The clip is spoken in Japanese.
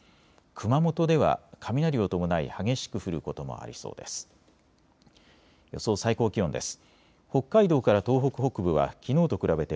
熊本では雷を伴い激しく降ることもありそうです。